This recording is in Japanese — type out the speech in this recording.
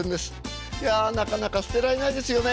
いやなかなか捨てられないですよね。